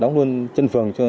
đóng luôn chân phường